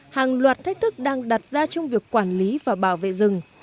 hàng loạt thách thức đang đặt ra trong việc quản lý và bảo vệ rừng